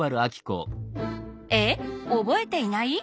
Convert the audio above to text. えっおぼえていない？